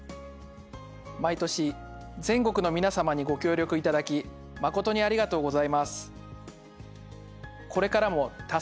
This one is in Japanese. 毎年、全国の皆様にご協力いただき誠にありがとうございます。